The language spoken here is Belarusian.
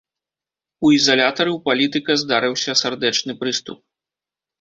У ізалятары ў палітыка здарыўся сардэчны прыступ.